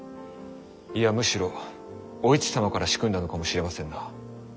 いやむしろお市様から仕組んだのかもしれませんな。